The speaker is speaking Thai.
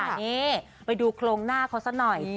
นี่ไปดูโครงหน้าเขาสักหน่อย